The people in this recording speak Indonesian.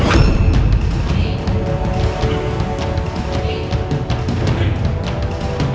jangan berani kurang ajar padaku